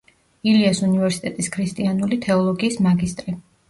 ილიას უნივერსიტეტის ქრისტიანული თეოლოგიის მაგისტრი.